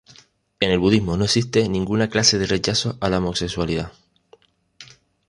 En el budismo no existe ninguna clase de rechazo a la homosexualidad.